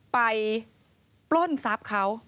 ปล้นทรัพย์เขา